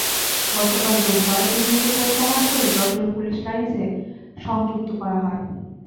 গতকাল রোববার দুজনকে প্রত্যাহার করে যশোর পুলিশ লাইনসে সংযুক্ত করা হয়।